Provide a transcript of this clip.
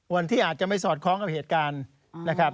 วันที่อาจจะไม่สอดคล้องกับเหตุการณ์นะครับ